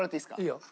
いいよ。